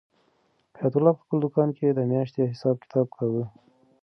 حیات الله په خپل دوکان کې د میاشتې حساب کتاب کاوه.